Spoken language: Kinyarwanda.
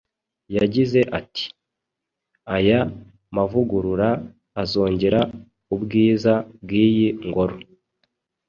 Yagize ati “Aya mavugurura azongera ubwiza bw’iyi ngoro